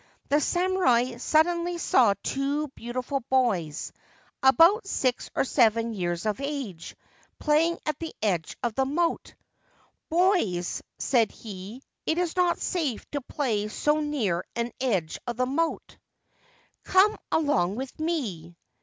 The samurai suddenly saw two beautiful boys, about six or seven years of age, playing at the edge of the moat. ' Boys/ said he, ' it is not safe to play so near the edge of this moat. Come along with me.'